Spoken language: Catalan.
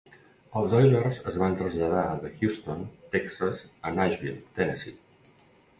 Els Oilers es van traslladar de Houston, Texas a Nashville, Tennessee.